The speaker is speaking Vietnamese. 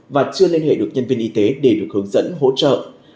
và chưa liên hệ được nhân viên y tế để được hướng dẫn hỗ trợ